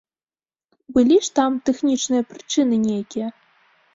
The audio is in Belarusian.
Былі ж там тэхнічныя прычыны нейкія.